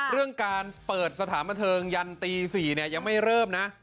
เรื่องการเปิดฐานการณ์ยันที๔ยังไม่เริ่มน่ะ